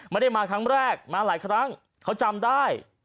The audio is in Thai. ไม่ได้มาครั้งแรกมาหลายครั้งเขาจำได้